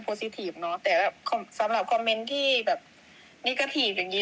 โพสิทิฟท์เนอะแต่แบบสำหรับคอมเม้นท์ที่แบบนิกอทีฟอย่างงี้